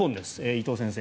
伊藤先生。